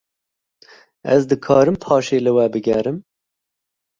Ez dikarim paşê li we bigerim?